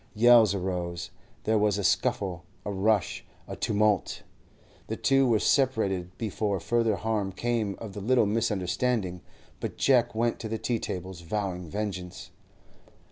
Yells arose; there was a scuffle, a rush, a tumult. The two were separated before further harm came of the little misunderstanding, but Jack went to the tea tables vowing vengeance.